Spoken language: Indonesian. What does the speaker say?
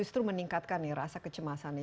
ini justru meningkatkan nih rasa kecemasan itu